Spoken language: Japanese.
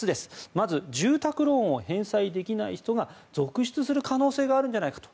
まず住宅ローンを返済できない人が続出する可能性があるんじゃないかと。